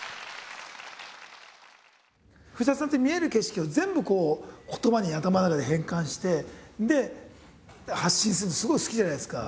古さんって見える景色を全部こう言葉に頭の中で変換してで発信するのすごい好きじゃないですか。